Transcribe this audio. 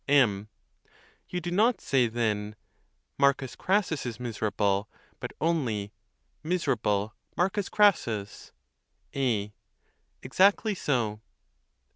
M. You do not say, then, "M. Crassus is miserable," but only " Miserable M. Crassus." A. Exactly so.